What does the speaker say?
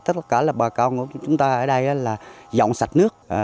tất cả là bà con của chúng ta ở đây là dọn sạch nước